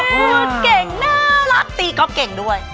คือเก่งน่ารักตีก๊อปเก่งด้วย